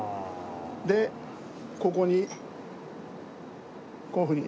でここにこういうふうに。